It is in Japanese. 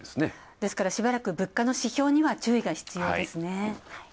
ですから、しばらく、物価の指標には注意が必要ですね。